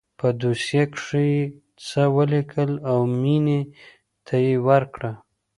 په دوسيه کښې يې څه وليکل او مينې ته يې ورکړه.